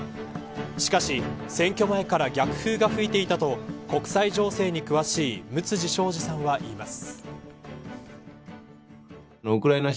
しかし、選挙前から逆風が吹いていたと国際情勢に詳しい六辻彰二さんは言います。